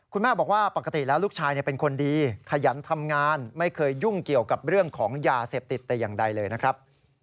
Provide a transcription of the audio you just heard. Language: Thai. คุณแม่บอกว่าปกติแล้วลูกชายเป็นคนดีขยันทำงานไม่เคยยุ่งเกี่ยวกับเรื่องของยาเสพติดแต่อย่างใดเลยนะครับ